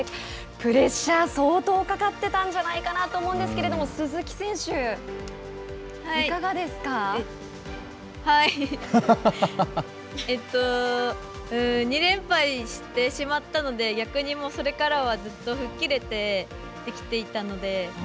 プレッシャー相当かかってたんじゃないかと思うんですけれども鈴木選手２連敗してしまったので逆にもうそれからはずっと吹っ切れてできていたので。